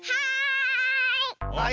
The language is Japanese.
はい！